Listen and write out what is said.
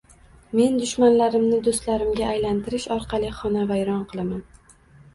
Men dushmanlarimni do’stlarimga aylantirish orqali xonavayron qilaman